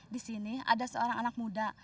disini ada seorang anak muda